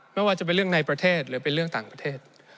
ไม่ว่าจะเป็นเรื่องในประเทศหรือเป็นเรื่องต่างประเทศ